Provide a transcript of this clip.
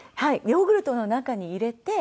ヨーグルトの中に入れて。